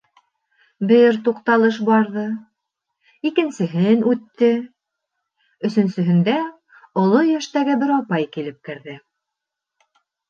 Бер туҡталыш барҙы, икенсеһен үтте, өсөнсөһөндә оло йәштәге бер апай килеп керҙе.